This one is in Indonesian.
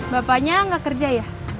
bapaknya gak kerja ya